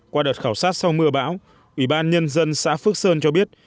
qua đợt khảo sát sau mưa bão ủy ban nhân dân xã phước sơn cho biết